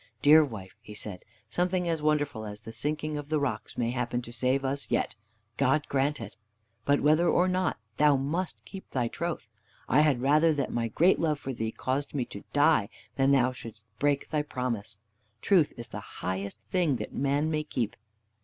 "Dear wife," he said, "something as wonderful as the sinking of the rocks may happen to save us yet. God grant it! But whether or not, thou must keep thy troth. I had rather that my great love for thee caused me to die, than that thou shouldest break thy promise. Truth is the highest thing that man may keep."